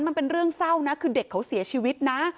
มันเป็นเรื่องเศร้านะคือเด็กเขาเสียชีวิตนะ